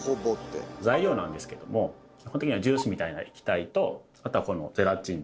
材料なんですけれども基本的にはジュースみたいな液体とあとはこの「ゼラチン」。